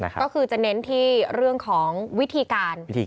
ก็คือจะเน้นที่เรื่องของวิธีการ